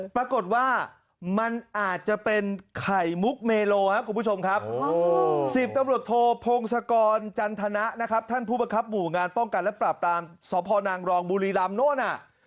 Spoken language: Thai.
ปรากฏว่ามันอาจจะเป็นไข่มุกเมโลครับสิบตำรวจโทรภงศกรจันทนะท่านผู้ประครับหมู่งานป้องกันและปราบตามสนรองบุรีรำนั่น